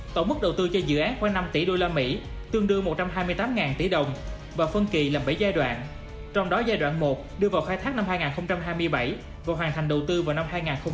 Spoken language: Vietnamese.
tổng mức đầu tư cho dự án khoảng năm tỷ usd tương đương một trăm hai mươi tám tỷ đồng và phân kỳ làm bảy giai đoạn trong đó giai đoạn một đưa vào khai thác năm hai nghìn hai mươi bảy và hoàn thành đầu tư vào năm hai nghìn hai mươi